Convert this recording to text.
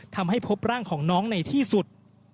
ทำให้พบร่างของน้องในที่สุด